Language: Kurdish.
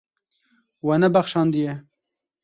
We nebexşandiye.